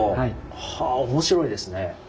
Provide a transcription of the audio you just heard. はぁ面白いですね。